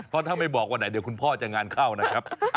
เพราะถ้าไม่บอกวันไหนเดี๋ยวคุณพ่อจะงานเข้านะครับ